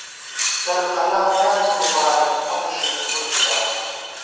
ڈل قلا میاں می مبارَک، موہ شرین پُݪ گِلاؤ